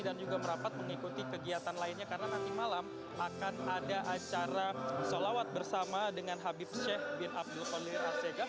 dan juga merapat mengikuti kegiatan lainnya karena nanti malam akan ada acara solawat bersama dengan habib syekh bin abdul qalir al zaygah